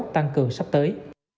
một mươi sáu tăng cường sắp tới